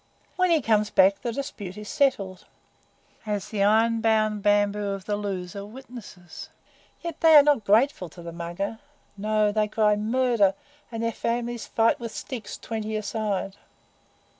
When he comes back the dispute is settled, as the iron bound bamboo of the loser witnesses. Yet they are not grateful to the Mugger. No, they cry 'Murder!' and their families fight with sticks, twenty a side.